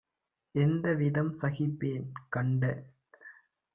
எந்தவிதம் சகிப்பேன்? - கண்ட